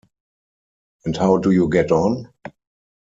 And how do you get on?